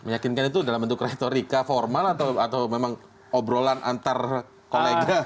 meyakinkan itu dalam bentuk retorika formal atau memang obrolan antar kolega